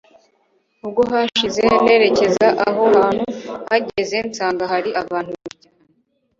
ubwo nahise nerekeza aho hantu, mpageze nsanga hari abantu benshi cyane